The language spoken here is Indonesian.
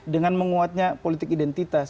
dengan menguatnya politik identitas